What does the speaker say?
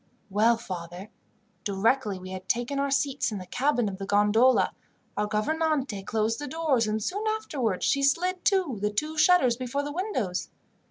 "Well, father, directly we had taken our seats in the cabin of the gondola, our gouvernante closed the doors, and soon afterwards she slid to the two shutters before the windows.